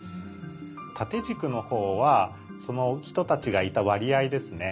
縦軸のほうはその人たちがいた割合ですね。